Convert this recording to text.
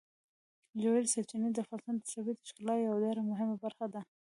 ژورې سرچینې د افغانستان د طبیعت د ښکلا یوه ډېره مهمه برخه ده.